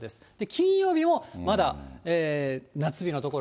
金曜日もまだ夏日の所が。